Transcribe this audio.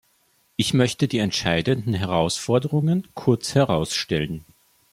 Ich möchte die entscheidenden Herausforderungen kurz herausstellen.